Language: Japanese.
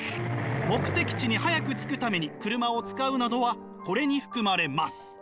目的地に早く着くために車を使うなどはこれに含まれます。